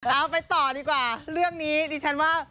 เอาไปต่อดีกว่าเรื่องนี้ดิฉันว่า